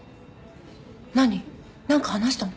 何何か話したの？